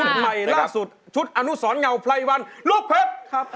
ชุดใหม่ล่าสุดชุดอนุสรเงาไพรวันลูกเผ็ด